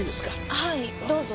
はいどうぞ。